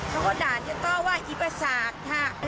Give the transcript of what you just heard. เขาก็ด่าจะต้อว่าอีประสาทค่ะ